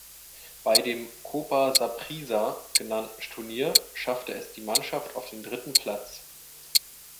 Bei dem "Copa Saprissa" genannten Turnier schaffte es die Mannschaft auf den dritten Platz.